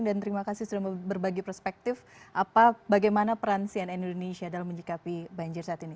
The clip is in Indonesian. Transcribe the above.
dan terima kasih sudah berbagi perspektif apa bagaimana peransi cnn indonesia dalam menjikapi banjir saat ini